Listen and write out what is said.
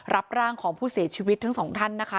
รับร่างของผู้เสียชีวิตทั้งสองท่านนะคะ